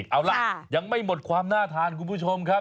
เอาล่ะยังไม่หมดความน่าทานคุณผู้ชมครับ